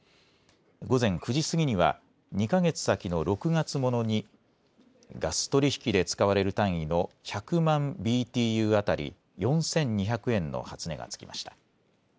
午前９時過ぎには２か月先の６月ものにガス取り引きで使われる単位の１００万Ｂｔｕ当たり４２００円の初値がつきました。